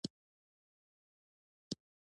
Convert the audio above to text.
د يوه مهم کانال د سنګکارۍ رغنيزي